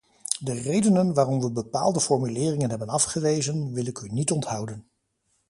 De redenen waarom we bepaalde formuleringen hebben afgewezen, wil ik u niet onthouden.